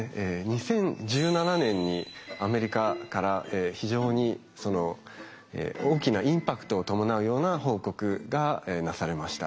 ２０１７年にアメリカから非常に大きなインパクトを伴うような報告がなされました。